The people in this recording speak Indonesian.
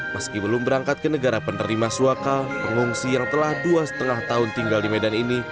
meski belum berangkat ke negara penerima suaka pengungsi yang telah dua lima tahun tinggal di medan ini